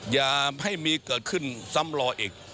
อย่าให้มีเกิดขึ้นซ้ำรออีก